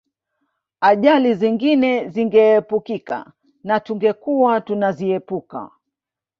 Ajali nyingine zingeepukika na tungekuwa tunaziepuka